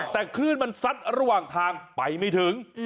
แต่คลื่นมันซัดระหว่างทางไปไม่ถึง